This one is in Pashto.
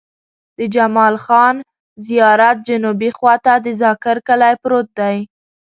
د جمال خان زيارت جنوبي خوا ته د ذاکر کلی پروت دی.